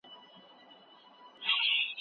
باورونه باید په متقابل احترام رامنځته سي.